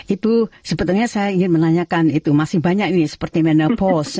itu sebetulnya saya ingin menanyakan itu masih banyak nih seperti menopost